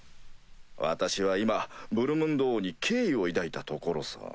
私は今ブルムンド王に敬意を抱いたところさ。